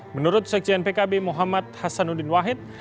menurut sekjen pkb muhammad hasanuddin wahid